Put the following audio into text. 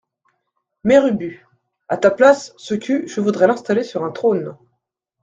Mère Ubu A ta place, ce cul, je voudrais l’installer sur un trône.